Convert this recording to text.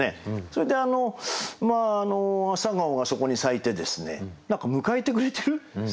それで朝顔がそこに咲いて何か迎えてくれてる。